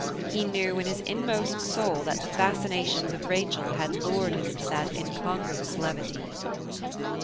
He knew in his inmost soul, that the fascinations of Rachel had lured him into that incongruous levity.